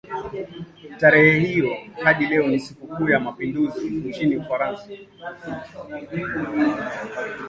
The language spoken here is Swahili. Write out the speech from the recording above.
Tarehe hiyo hadi leo ni sikukuu ya mapinduzi nchini Ufaransa.